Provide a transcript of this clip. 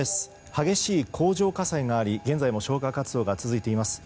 激しい工場火災があり現在も消火活動が続いています。